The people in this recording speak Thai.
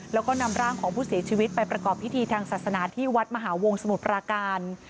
แล้วก็นำร่างของผู้เสียชีวิตไปประกอบพิธีทางศาสนาที่วัดมหาวงสมุทรปราการ